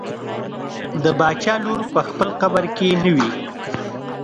د باچا لور په خپل قبر کې نه وي.